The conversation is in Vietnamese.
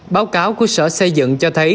báo cáo của sở xây dựng cho thấy